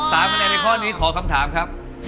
คะแนนในข้อนี้ขอคำถามครับ